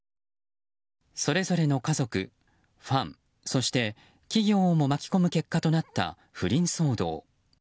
それぞれの家族、ファンそして企業をも巻き込む結果となった不倫騒動。